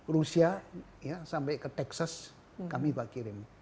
rusia ya sampai ke texas kami bakirin